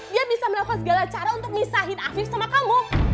dia bisa melakukan segala cara untuk misahin afif sama kamu